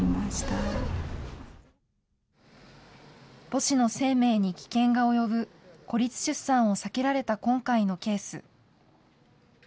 母子の生命に危険が及ぶ孤立出産を避けられた今回のケース。